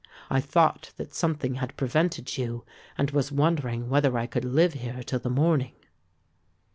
"I thought that something had prevented you and was wondering whether I could live here till the morning."